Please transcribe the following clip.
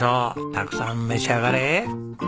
たくさん召し上がれ。